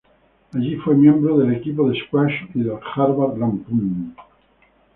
Allí fue miembro del equipo de squash y del "Harvard Lampoon".